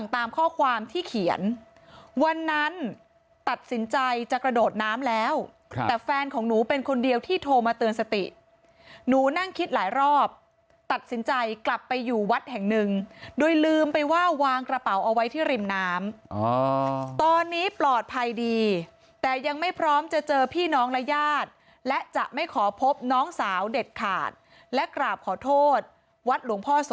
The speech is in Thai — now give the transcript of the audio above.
ตามข้อความที่เขียนวันนั้นตัดสินใจจะกระโดดน้ำแล้วแต่แฟนของหนูเป็นคนเดียวที่โทรมาเตือนสติหนูนั่งคิดหลายรอบตัดสินใจกลับไปอยู่วัดแห่งหนึ่งโดยลืมไปว่าวางกระเป๋าเอาไว้ที่ริมน้ำตอนนี้ปลอดภัยดีแต่ยังไม่พร้อมจะเจอพี่น้องและญาติและจะไม่ขอพบน้องสาวเด็ดขาดและกราบขอโทษวัดหลวงพ่อส